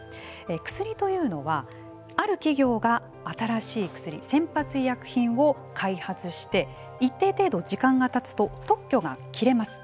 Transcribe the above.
薬というのはある企業が新しい薬先発医薬品を開発して一定程度、時間がたつと特許が切れます。